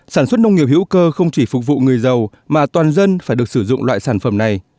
sản xuất nông nghiệp hữu cơ không chỉ phục vụ người giàu mà toàn dân phải được sử dụng loại sản phẩm này